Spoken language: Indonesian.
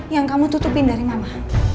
yang kamu tutupin dari mama